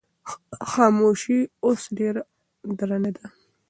خاموشي اوس ډېره درنه ده.